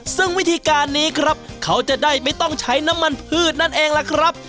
ซึ่งวิธีการนี้ครับเขาจะได้ไม่ต้องใช้น้ำมันพืชนั่นเองล่ะครับ